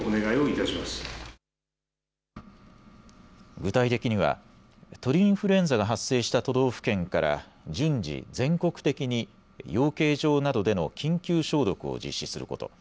具体的には鳥インフルエンザが発生した都道府県から順次、全国的に養鶏場などでの緊急消毒を実施すること。